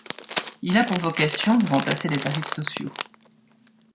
Il a pour vocation de remplacer les tarifs sociaux.